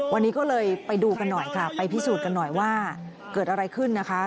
วันนี้ก็เลยไปดูกันหน่อยค่ะไปพิสูจน์กันหน่อยว่าเกิดอะไรขึ้นนะคะ